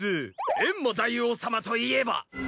エンマ大王様といえば。